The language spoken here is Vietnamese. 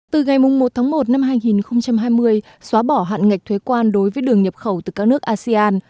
từ ngày một tháng một năm hai nghìn hai mươi xóa bỏ hạn ngạch thuế quan đối với đường nhập khẩu từ các nước asean